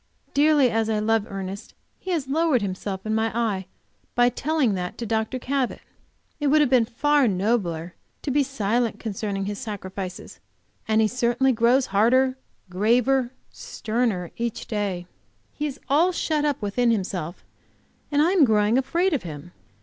Dearly as I love Ernest, he has lowered himself in my eye by telling that to Dr. Cabot. It would have been far nobler to be silent concerning his sacrifices; and he certainly grows harder, graver, sterner every day. He is all shut up within himself, and I am growing afraid of him.